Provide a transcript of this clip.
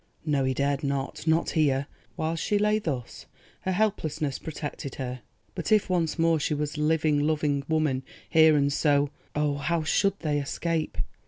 No, he dared not—not here. While she lay thus her helplessness protected her; but if once more she was a living, loving woman here and so—oh, how should they escape?